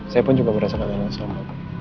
saya pun juga merasa kenal sama